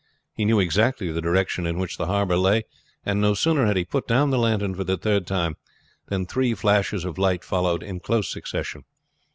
He knew exactly the direction in which the harbor lay, and no sooner had he put down the lantern for the third time than three flashes of light followed in close succession.